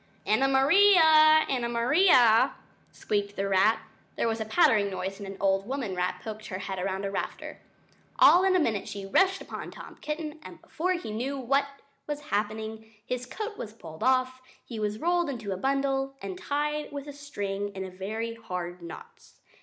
"Anna Maria! Anna Maria!" squeaked the rat. There was a pattering noise and an old woman rat poked her head round a rafter. All in a minute she rushed upon Tom Kitten, and before he knew what was happening. ..... his coat was pulled off, and he was rolled up in a bundle, and tied with string in very hard knots.